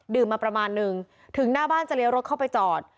มาประมาณนึงถึงหน้าบ้านจะเลี้ยวรถเข้าไปจอด